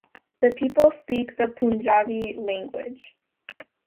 The people speak the Punjabi language.